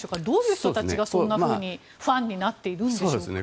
どういう方たちがそんなふうにファンになっているのでしょうか。